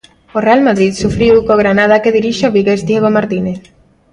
O Real Madrid sufriu co Granada que dirixe o vigués Diego Martínez.